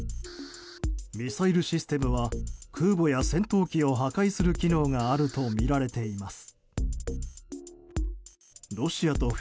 ミサイルシステムは空母や戦闘機を破壊する機能があるとみられています。